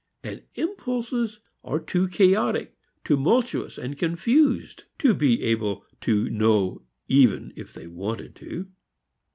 And impulses are too chaotic, tumultuous and confused to be able to know even if they wanted to.